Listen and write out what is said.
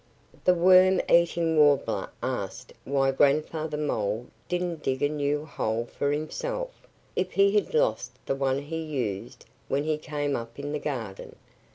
The Worm eating Warbler asked why Grandfather Mole didn't dig a new hole for himself, if he had lost the one he used when he came up in the garden.